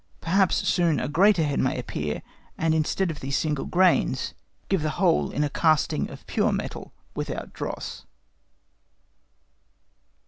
Perhaps soon a greater head may appear, and instead of these single grains, give the whole in a casting of pure metal without dross.